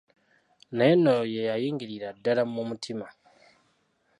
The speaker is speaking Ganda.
Naye nno oyo ye yannyingirira ddala mu mutima.